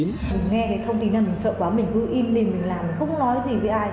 nghe cái thông tin này mình sợ quá mình cứ im đi mình làm mình không nói gì với ai